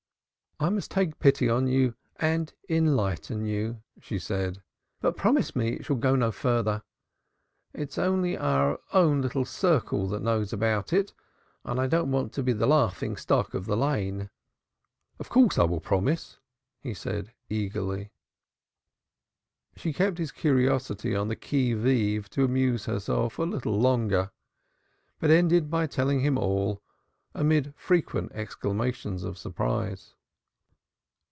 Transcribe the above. "I must take pity on you and enlighten you," she said, "but promise me it shall go no further. It's only our own little circle that knows about it and I don't want to be the laughing stock of the Lane." "Of course I will promise," he said eagerly. She kept his curiosity on the qui vive to amuse herself a little longer, but ended by telling him all, amid frequent exclamations of surprise.